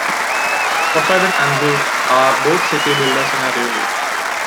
"Poseidon" and "Zeus" are both city builder scenario games.